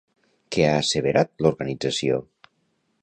Què ha asseverat l'organització?